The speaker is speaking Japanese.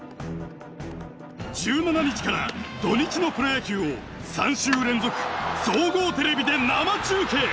１７日から土日のプロ野球を３週連続総合テレビで生中継！